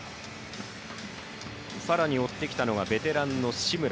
さらに、追ってきたのがベテランの紫村。